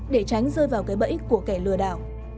để tránh rơi vào cái bẫy của kẻ lừa đảo